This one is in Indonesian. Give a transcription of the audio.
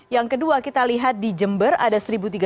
yang kedua kita lihat di jember ada seribu tiga ratus lima puluh tujuh